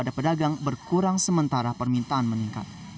pada pedagang berkurang sementara permintaan meningkat